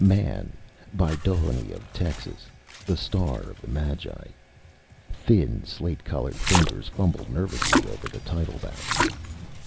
"Man" by Dohony of Texas, "The Star of the Magi." Thin slate colored fingers fumble nervously over the title backs.